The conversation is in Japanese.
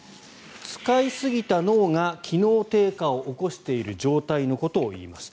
使いすぎた脳が機能低下を起こしている状態のことをいいます。